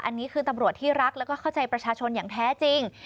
อันนี้คือตำรวจที่รักแล้วก็เข้าใจประชาชนอย่างแท้จริง